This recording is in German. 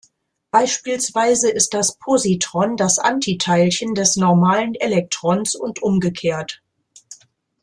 Beispielsweise ist das Positron das Antiteilchen des normalen Elektrons und umgekehrt.